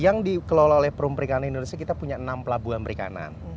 yang dikelola oleh perum perikanan indonesia kita punya enam pelabuhan perikanan